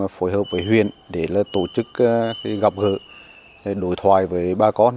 phối hợp với huyện để tổ chức gặp gỡ đổi thoại với ba con